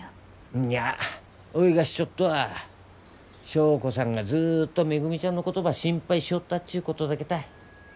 うんにゃおいが知っちょっとは祥子さんがずっとめぐみちゃんのことば心配しとったっちゅうことだけたい。